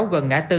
gần ngã tư